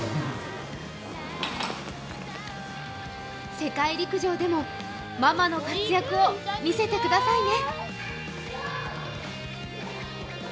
世界陸上でもママの活躍を見せてくださいね。